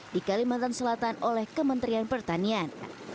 di kalimantan selatan oleh kementerian pertanian